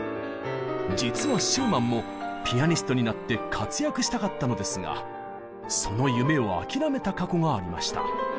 実はシューマンもピアニストになって活躍したかったのですがその夢を諦めた過去がありました。